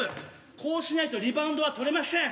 こうしないとリバウンドは取れましぇん。